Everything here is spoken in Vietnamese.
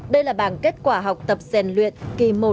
đây là bảng kết quả học tập rèn luyện kỳ một